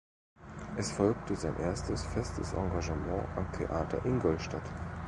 Es folgte sein erstes festes Engagement am Theater Ingolstadt.